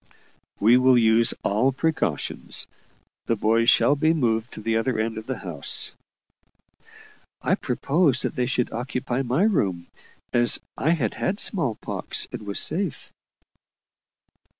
"We will use all precautions. The boys shall be moved to the other end of the house." I proposed that they should occupy my room, as I had had smallpox, and was safe.